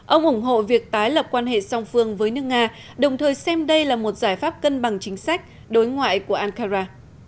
ông ủng hộ việc tái lập quan hệ song phương với nước nga đồng thời xem đây là một giải pháp cân bằng chính sách đối ngoại của ankara